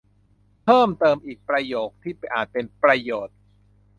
เพิ่มเติม อีกประโยคที่อาจเป็นประโยชน์